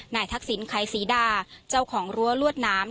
นายทักศิลป์ไขสีดาเจ้าของรัวลวดน้ำ